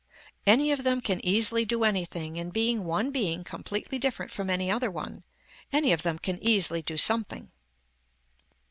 Any of them can easily do anything in being one being completely different from any other one, any of them can easily do something.